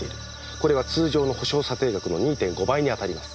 これは通常の補償査定額の２．５倍にあたります。